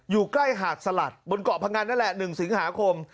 อยู่ใกล้หาดสลัดบนเกาะพงันนั่นแหละ๑สิงหาคม